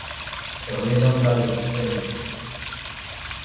Ur meziant all o deus prenet.